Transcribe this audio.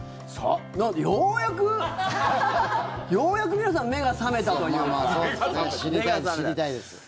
ようやくようやく皆さん目が覚めたというか。